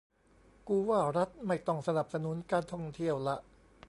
กูว่ารัฐไม่ต้องสนับสนุนการท่องเที่ยวละ